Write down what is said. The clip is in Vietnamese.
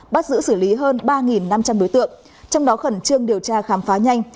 bắt giữ xử lý hơn ba năm trăm linh đối tượng trong đó khẩn trương điều tra khám phá nhanh